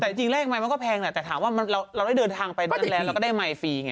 แต่จริงเลขไมค์มันก็แพงแหละแต่ถามว่าเราได้เดินทางไปโรงแรมเราก็ได้ไมค์ฟรีไง